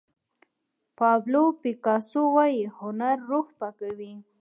پابلو پیکاسو وایي هنر روح پاکوي.